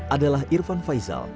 adalah irfan faizal